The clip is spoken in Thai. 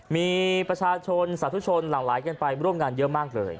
มีประชาชนสาธุชนหลังไหลกันไปร่วมงานเยอะมากเลย